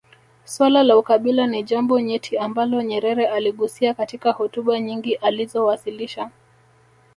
Suala la ukabila ni jambo nyeti ambalo nyerere aligusia katika hotuba nyingi alizowasilisha